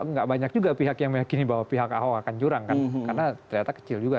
nggak banyak juga pihak yang meyakini bahwa pihak ahok akan jurang kan karena ternyata kecil juga